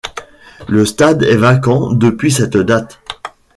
Le stade est vacant depuis cette date.